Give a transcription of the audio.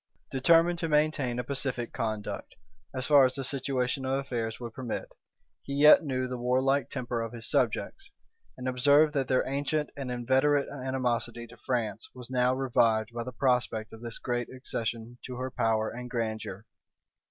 Determined to maintain a pacific conduct, as far as the situation of affairs would permit, he yet knew the warlike temper of his subjects, and observed that their ancient and inveterate animosity to France was now revived by the prospect of this great accession to her power and grandeur.